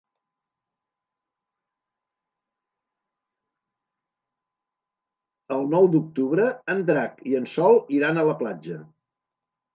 El nou d'octubre en Drac i en Sol iran a la platja.